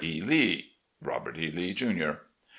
E. Lee. "Robert E. Lee, Jr."